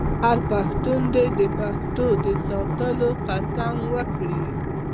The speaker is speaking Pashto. هر پښتون دې د پښتو د ساتلو قسم وکړي.